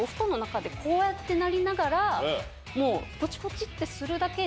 こうやってなりながらもう。